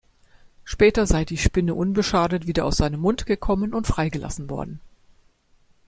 Später sei die Spinne unbeschadet wieder aus seinem Mund gekommen und freigelassen worden.